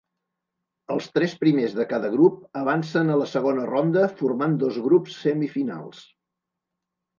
Els tres primers de cada grup avancen a la segona ronda formant dos grups semifinals.